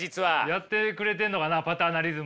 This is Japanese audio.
やってくれてんのかなパターナリズムを。